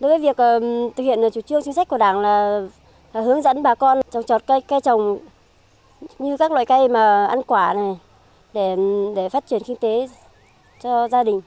đối với việc thực hiện chủ trương chính sách của đảng là hướng dẫn bà con trồng trọt cây trồng như các loại cây ăn quả này để phát triển kinh tế cho gia đình